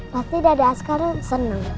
pasti dada askar seneng